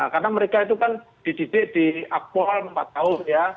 karena mereka itu kan dididik di akpol empat tahun ya